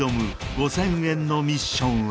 ５０００円のミッションは